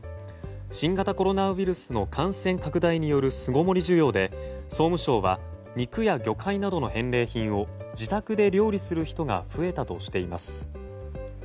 新型コロナウイルスの感染拡大による巣ごもり需要で総務省は肉や魚介などの返礼品を自宅で料理する人が増えたとしています。